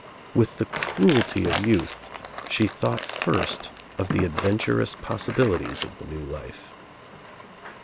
With the cruelty of youth she thought first of the adventurous possibilities of the new life.